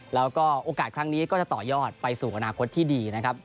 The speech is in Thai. แล้วก็โอกาสครั้งนี้ก็จะต่อยอดไปสู่อนาคตที่ดีนะครับ